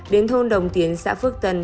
đến thôn đồng tiến xã phước tân